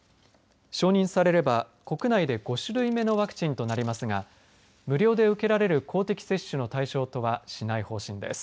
承認されれば、国内で５種類目のワクチンとなりますが無料で受けられる公的接種の対象とはしない方針です。